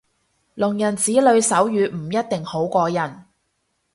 聾人子女手語唔一定好過人